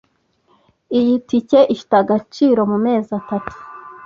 Iyi tike ifite agaciro mumezi atatu.